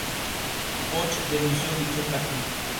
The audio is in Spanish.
Coss y la Avenida Colon en el centro de Monterrey.